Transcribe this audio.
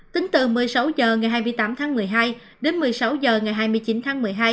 tính từ một mươi sáu h ngày hai mươi tám tháng một mươi hai đến một mươi sáu h ngày hai mươi chín tháng một mươi hai